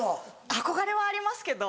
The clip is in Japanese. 憧れはありますけど。